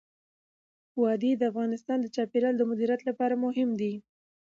وادي د افغانستان د چاپیریال د مدیریت لپاره مهم دي.